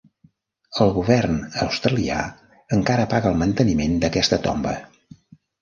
El Govern australià encara paga el manteniment d'aquesta tomba.